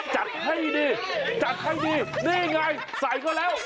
จัดให้ดีจัดให้ดีนี่ไงใส่ก็แล้ว